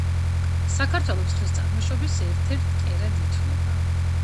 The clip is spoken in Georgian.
საქართველო მსხლის წარმოშობის ერთ-ერთ კერად ითვლება.